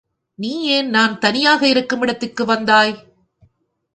நீயேன் நான் தனியாக இருக்கும் இடத்திற்கு வந்தாய்?